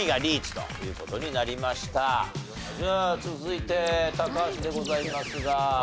続いて高橋でございますが。